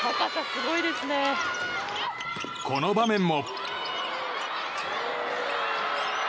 この場面も。